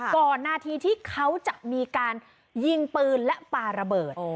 ก่อนนาทีที่เขาจะมีการยิงปืนและปลาระเบิด